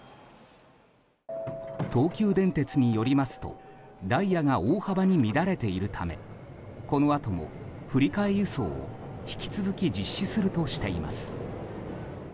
東急電鉄によりますとダイヤが大幅に乱れているためこのあとも振り替え輸送を引き続き実施するとしています。